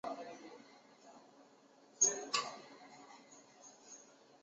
区域内交通设置齐全。